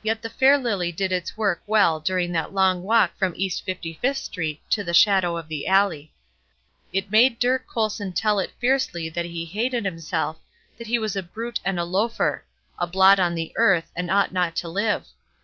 Yet the fair lily did its work well during that long walk from East Fifty fifth Street to the shadow of the alley. It made Dirk Colson tell it fiercely that he hated himself; that he was a brute and a loafer, a blot on the earth, and ought not to live.